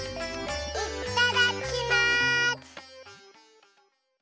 いっただきます！